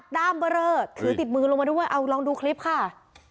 ้ามเบอร์เรอถือติดมือลงมาด้วยเอาลองดูคลิปค่ะ